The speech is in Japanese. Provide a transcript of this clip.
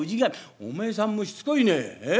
「おめえさんもしつこいねえっ！？